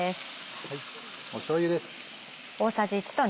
しょうゆです。